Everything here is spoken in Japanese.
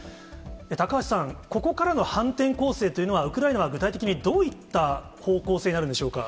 高橋さん、ここからの反転攻勢というのは、ウクライナは具体的に、どういった方向性になるんでしょうか。